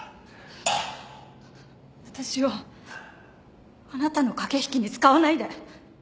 私をあなたの駆け引きに使わないで。